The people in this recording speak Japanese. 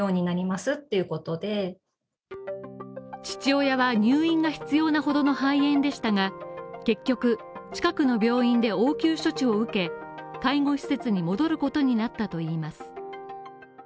父親は入院が必要なほどの肺炎でしたが結局、近くの病院で応急処置を受け、介護施設に戻ることになったといいます。